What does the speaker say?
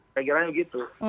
saya kira itu